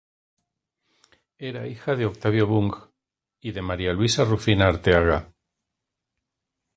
Era hija de Octavio Bunge y de María Luisa Rufina Arteaga.